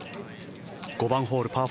５番ホール、パー